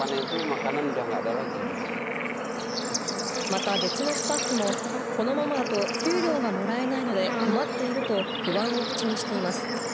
また別のスタッフも、このままだと給料がもらえないので困っていると不安を口にしています。